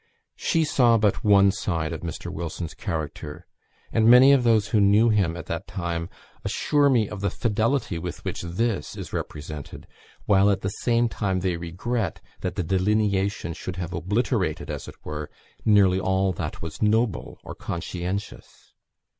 She saw but one side of Mr. Wilson's character; and many of those who knew him at that time assure me of the fidelity with which this is represented, while at the same time they regret that the delineation should have obliterated, as it were, nearly all that was noble or conscientious.